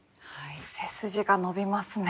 背筋が伸びますね。